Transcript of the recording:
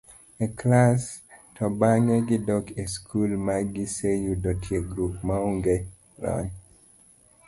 e klas, to bang'e gidok e skul ma giseyudo tiegruok maonge lony